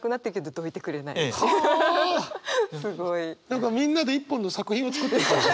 何かみんなで一本の作品を作ってる感じ。